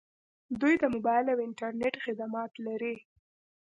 دوی د موبایل او انټرنیټ خدمات لري.